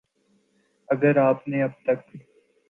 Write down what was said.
اگر آپ نے اب تک